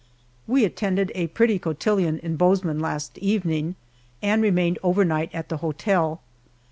We attended a pretty cotillon in Bozeman last evening and remained overnight at the hotel.